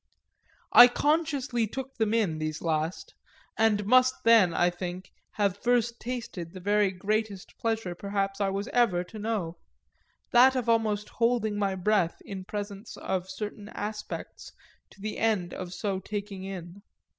I consciously took them in, these last, and must then, I think, have first tasted the very greatest pleasure perhaps I was ever to know that of almost holding my breath in presence of certain aspects to the end of so taking in.